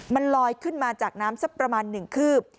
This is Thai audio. มันลอยขึ้นมาจากน้ำสักประมาณ๑คืบ